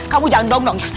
kamu jangan dong dong ya